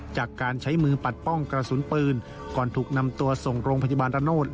จากการใช้มือปัดป้องกระสุนปืนก่อนถูกนำตัวส่งโรงพยาบาลระโนธ